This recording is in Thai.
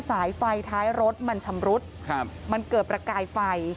สายไฟท้ายรถมันชำรุดครับมันเกิดประกายไฟ